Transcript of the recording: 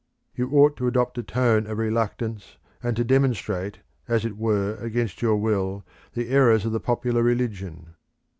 You ought to adopt a tone of reluctance and to demonstrate, as it were against your will, the errors of the popular religion.